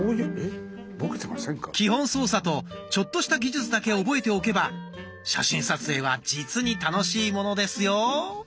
基本操作とちょっとした技術だけ覚えておけば写真撮影は実に楽しいものですよ。